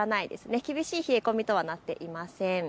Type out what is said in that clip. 厳しい冷え込みとはなっていません。